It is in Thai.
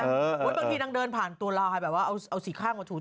บางทีนางเดินผ่านตัวเราแบบว่าเอาสี่ข้างมาฉูด